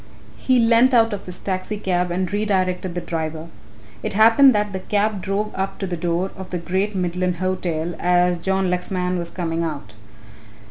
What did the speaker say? He leant out of his taxi cab and redirected the driver. It happened that the cab drove up to the door of the Great Midland Hotel as John Lexman was coming out.